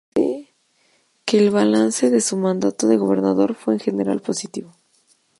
Parece que el balance de su mandato de gobernador fue en general positivo.